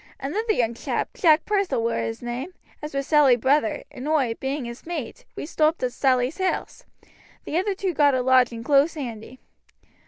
Another young chap, Jack Purcell war his name, as was Sally's brother, and oi, being his mate, we stopt at Sally's house. The other two got a lodging close handy.